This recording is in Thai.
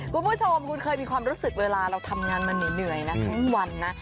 คุณผู้ชมคุณเคยมีความรู้สึกเวลาเราทำงานมาเหนื่อยนะทั้งวันนะ